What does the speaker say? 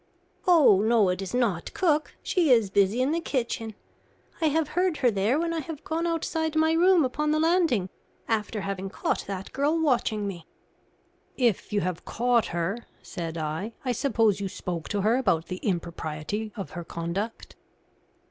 "Oh, no, it is not cook; she is busy in the kitchen. I have heard her there, when I have gone outside my room upon the landing, after having caught that girl watching me." "If you have caught her," said I, "I suppose you spoke to her about the impropriety of her conduct."